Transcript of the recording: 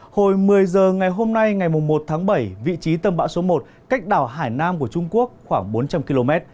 hồi một mươi h ngày hôm nay ngày một tháng bảy vị trí tâm bão số một cách đảo hải nam của trung quốc khoảng bốn trăm linh km